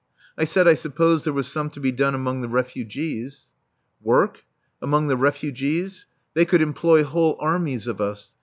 I said I supposed there was some to be done among the refugees. Work? Among the refugees? They could employ whole armies of us.